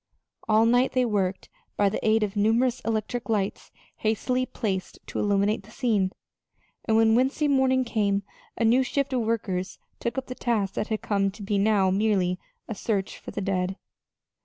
All night they worked by the aid of numerous electric lights hastily placed to illuminate the scene; and when Wednesday morning came, a new shift of workers took up the task that had come to be now merely a search for the dead.